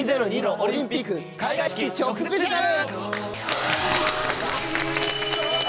オリンピック開会式直前スペシャル」。